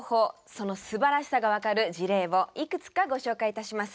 そのすばらしさが分かる事例をいくつかご紹介いたします。